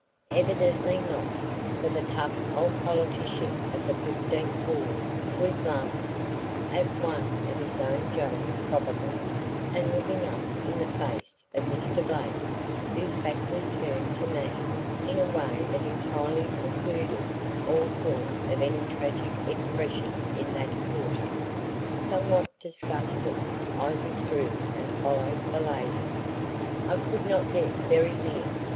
Evidently not, for the tough old politician of the Fifteenth Ward was laughing, at one of his own jokes probably, and looking up in the face of Mr. Blake, whose back was turned to me, in a way that entirely precluded all thought of any tragic expression in that quarter. Somewhat disgusted, I withdrew and followed the lady. I could not get very near.